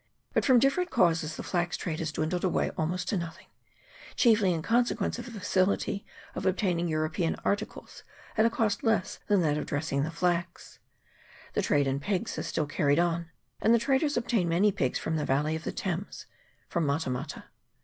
But from different causes the flax trade has dwindled away 408 TRADE AT TAURANGA. [PART II. almost to nothing, chiefly in consequence of the facility of obtaining European articles at a cost less than that of dressing the flax. The trade in pigs is still carried on ; and the traders obtain many pigs from the valley of the Thames, from Mata mata.